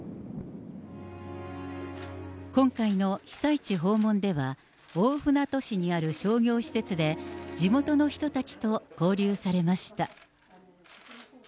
今回の被災地訪問では、大船渡市にある商業施設で、地元の人たちと交流されました。